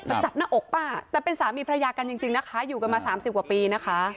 จับหน้าอกป้าแต่เป็นสามีภรรยากันจริงนะคะอยู่กันมาสามสิบกว่าปีนะคะ